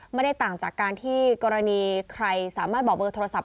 ไม่ได้ต่างจากการที่กรณีใครสามารถบอกเบอร์โทรศัพ